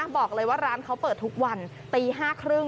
บอกเลยว่าร้านเขาเปิดทุกวันตีห้าครึ่ง